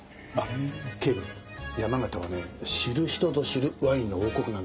警部山形はね知る人ぞ知るワインの王国なんですよ。